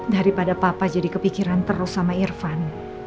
daripada papa jadi kepikiran terus sama irfan